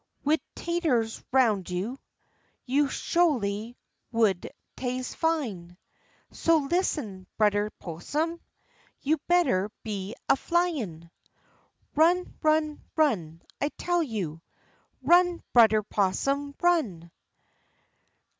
Wid taters roun' you. You sholy would tase fine So listen, Brudder 'Possum, You better be a flyin'. Run, run, run, I tell you, Run, Brudder 'Possum, run!